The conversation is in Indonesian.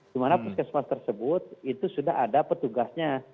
di mana puskesmas tersebut itu sudah ada petugasnya